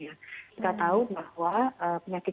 kita tahu bahwa penyakit